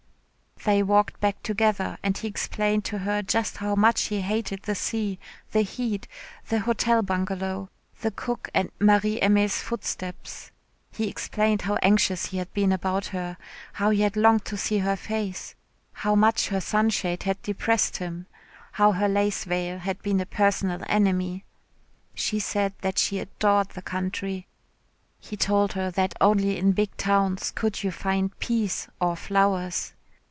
They walked back together and he explained to her just how much he hated the sea, the heat, the Hotel Bungalow, the cook, and Marie Aimée's footsteps. He explained how anxious he had been about her how he had longed to see her face how much her sunshade had depressed him how her lace veil had been a personal enemy. She said that she adored the country.... He told her that only in big towns could you find peace or flowers.